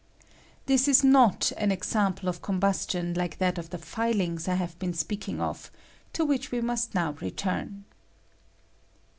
] This is not an example of combustion like that of the filings I have been speaking of, to which we must now return.